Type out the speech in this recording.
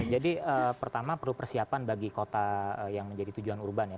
pertama perlu persiapan bagi kota yang menjadi tujuan urban ya